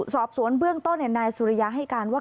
สอบสวนเบื้องต้นนายสุริยาให้การว่า